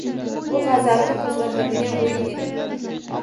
Bu g`azabni qo`zg`atadigan o`yin edi